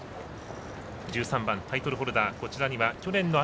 １３番、タイトルホルダー。